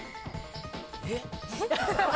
えっ⁉